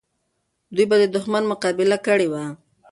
دوی به د دښمن مقابله کړې وه.